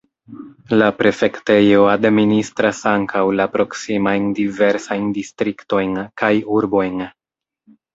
La prefektejo administras ankaŭ la proksimajn diversajn distriktojn kaj urbojn.